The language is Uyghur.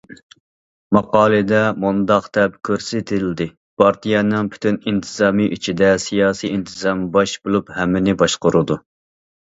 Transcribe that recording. ماقالىدا مۇنداق دەپ كۆرسىتىلدى: پارتىيەنىڭ پۈتۈن ئىنتىزامى ئىچىدە سىياسىي ئىنتىزام باش بولۇپ ھەممىنى باشقۇرىدۇ.